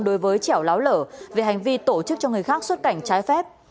đối với trèo láo lở về hành vi tổ chức cho người khác xuất cảnh trái phép